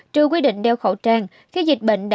trừ quy định đeo khẩu trang